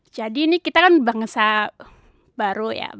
jadi ini kita kan bangsa baru ya